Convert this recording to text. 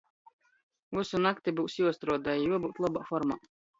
Vysu nakti byus juostruodoj, juobyut lobā formā.